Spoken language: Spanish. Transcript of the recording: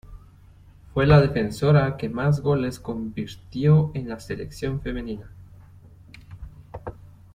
Fue la defensora que más goles convirtió en la selección femenina.